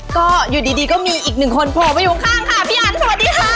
ก็อยู่ดีก็มีอีกหนึ่งคนโผล่ไปอยู่ข้างค่ะพี่อันสวัสดีค่ะ